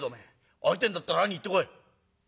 会いてえんだったら会いに行ってこい」。